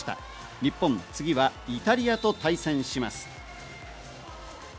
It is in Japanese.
日本、次はイタリアと対戦します。